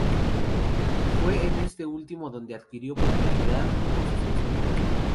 Fue en este último donde adquirió popularidad por su sensualidad.